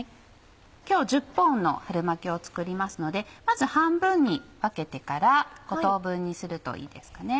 今日１０本の春巻きを作りますのでまず半分に分けてから５等分にするといいですかね。